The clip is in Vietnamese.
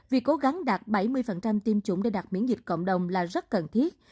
việc cố gắng đạt bảy mươi tiêm chủng để đặt miễn dịch cộng đồng là rất cần thiết